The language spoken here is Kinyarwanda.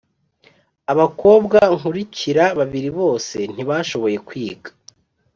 abakobwa nkurikira babiri bose ntibashoboye kwiga